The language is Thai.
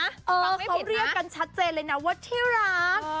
เค้าเรียกกันชัดเจนเลยนะว่าที่รัก